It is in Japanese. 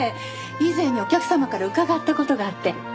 以前にお客様から伺った事があって。